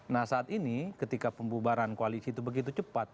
nah saat ini ketika pembubaran koalisi itu begitu cepat